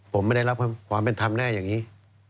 ผมไม่ได้รับความเป็นธรรมแน่อย่างนี้